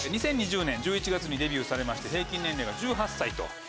２０２０年１１月にデビューされまして平均年齢が１８歳。